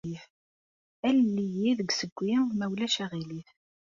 Alel-iyi deg ussewwi, ma ulac aɣilif.